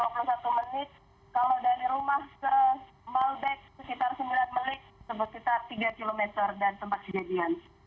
kalau dari rumah ke malbeck sekitar sembilan melek sekitar tiga km dan tempat kejadian